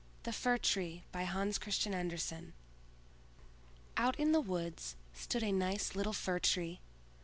THE FIR TREE By Hans Christian Andersen Out in the woods stood a nice little Fir tree.